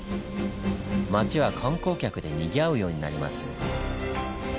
町は観光客でにぎわうようになります。